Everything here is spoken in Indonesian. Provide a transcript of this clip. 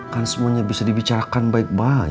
kan semuanya bisa dibicarakan baik baik